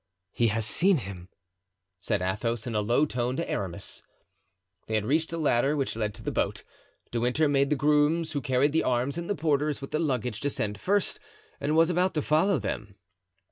"He has seen him," said Athos, in a low tone, to Aramis. They had reached the ladder which led to the boat. De Winter made the grooms who carried the arms and the porters with the luggage descend first and was about to follow them.